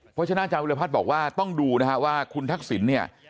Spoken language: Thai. เพราะฉะนั้นอาจารย์วิรพัฒน์บอกว่าต้องดูนะฮะว่าคุณทักษิณเนี่ย